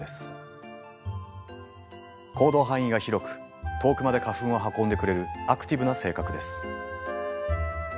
行動範囲が広く遠くまで花粉を運んでくれるアクティブな性格です。